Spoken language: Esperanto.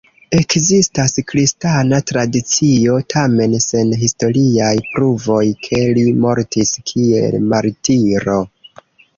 Ekzistas kristana tradicio, tamen sen historiaj pruvoj, ke li mortis kiel martiro.